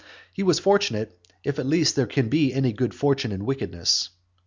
He was fortunate if at least there can be any good fortune in wickedness.